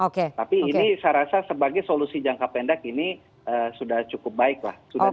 tapi ini saya rasa sebagai solusi jangka pendek ini sudah cukup baik lah